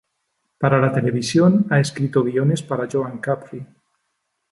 Para la televisión, ha escrito guiones para Joan Capri.